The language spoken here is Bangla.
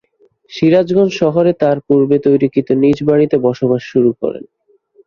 সিরাজগঞ্জ শহরে তার পূর্বে তৈরিকৃত নিজ বাড়িতে বসবাস শুরু করেন।